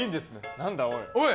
何だ、おい。